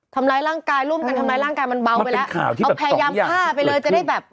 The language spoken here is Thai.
ทำร้ายร่างกายร่วมกันทำร้ายร่างกายมันเบาไปแล้วมันเป็นข่าวที่แบบสองอย่างเอาพยายามผ้าไปเลยจะได้แบบ